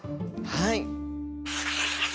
はい。